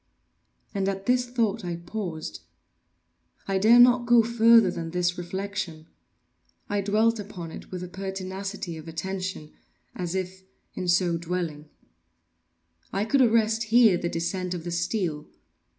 And at this thought I paused. I dared not go farther than this reflection. I dwelt upon it with a pertinacity of attention—as if, in so dwelling, I could arrest here the descent of the steel.